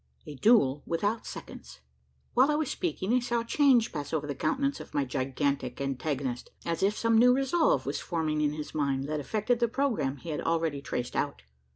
A DUEL WITHOUT SECONDS. While I was speaking, I saw a change pass over the countenance of my gigantic antagonist as if some new resolve was forming in his mind, that affected the programme he had already traced out.